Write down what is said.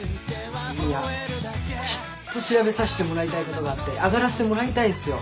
いやちょっと調べさしてもらいたいことがあって上がらせてもらいたいんすよ。